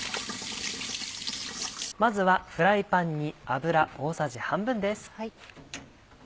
まずはフライパンに油大さじ半分です。